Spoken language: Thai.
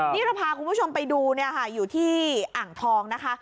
นี่เราพาคุณผู้ชมไปดูอยู่ที่อ่างทองนะคะ